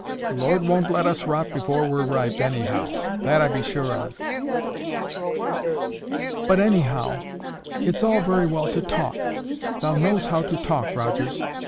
The Lord won't let us rot before we're ripe, anyhow. That I be sure on." "But, anyhow, it's all very well to talk. Thou knows how to talk, Rogers.